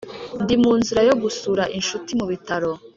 ndi munzira yo gusura inshuti mubitaro